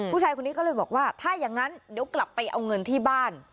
ผู้ชายคนนี้ก็เลยบอกว่าถ้าอย่างนั้นเดี๋ยวกลับไปเอาเงินที่บ้าน